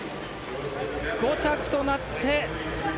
５着となって。